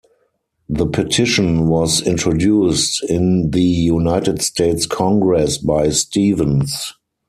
The petition was introduced in the United States Congress by Stevens.